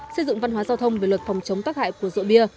xây dựng văn hóa giao thông về luật phòng chống tác hại của rượu bia